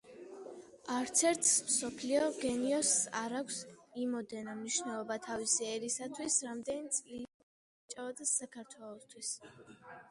არც ერთს მსოფლიო გენიოსს არ აქვს იმოდენა მნიშვნელობა თავისი ერისათვის, რამდენიც ილია ჭავჭავაძეს საქართველოსთვის...